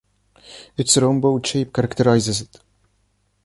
Its rhomboid shape characterizes it.